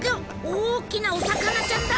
大きなお魚ちゃんだ！